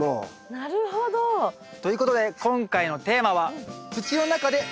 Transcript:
なるほど！ということで今回のテーマはお。